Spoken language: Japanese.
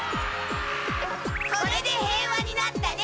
これで平和になったね！